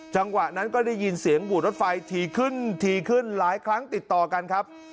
จังหวะนั้นก็ได้ยินเสียงบูดรถไฟทีขึ้นถี่ขึ้นหลายครั้งติดต่อกันครับ